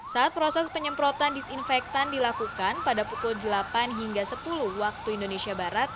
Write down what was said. saat proses penyemprotan disinfektan dilakukan pada pukul delapan hingga sepuluh waktu indonesia barat